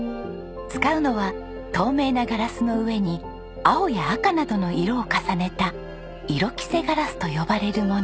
使うのは透明なガラスの上に青や赤などの色を重ねた色被せガラスと呼ばれるもの。